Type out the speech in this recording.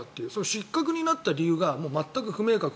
失格になった理由が全く不明確。